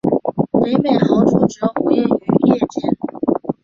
北美豪猪主要活跃于夜间。